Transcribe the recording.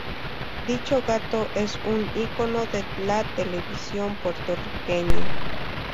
Dicho gato es un icono de la televisión puertorriqueña.